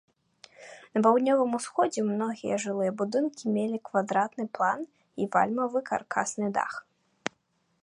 На паўднёвым усходзе многія жылыя будынкі мелі квадратны план і вальмавы каркасны дах.